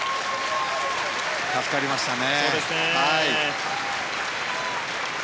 助かりましたね。